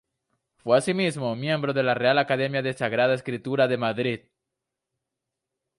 Fue asimismo miembro de la Real Academia de Sagrada Escritura de Madrid.